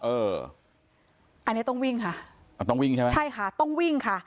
เอออันนี้ต้องวิ่งค่ะอ่าต้องวิ่งใช่ไหมใช่ค่ะต้องวิ่งค่ะ